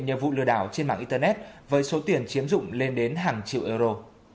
nhiều vụ lừa đảo trên mạng internet với số tiền chiếm dụng lên đến hàng triệu euro